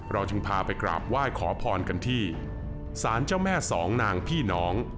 จึงพาไปกราบไหว้ขอพรกันที่สารเจ้าแม่สองนางพี่น้อง